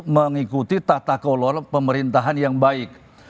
mengikuti tata kelola pemerintahan yang baik